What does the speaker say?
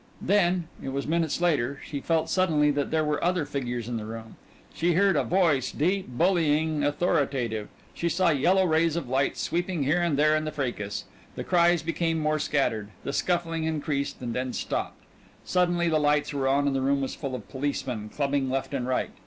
Then, it was minutes later, she felt suddenly that there were other figures in the room. She heard a voice, deep, bullying, authoritative; she saw yellow rays of light sweeping here and there in the fracas. The cries became more scattered. The scuffling increased and then stopped. Suddenly the lights were on and the room was full of policemen, clubbing left and right.